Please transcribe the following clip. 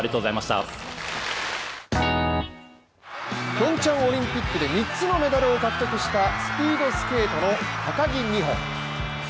ピョンチャンオリンピックで３つのメダルを獲得したスピードスケートの高木美帆。